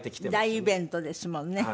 大イベントですもんね。